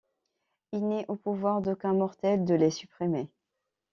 Il n’est au pouvoir d’aucun mortel de les supprimer.